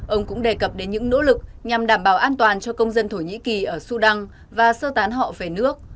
ông cũng đề cập đến những nỗ lực nhằm đảm bảo an toàn cho công dân thổ nhĩ kỳ ở sudan và sơ tán họ về nước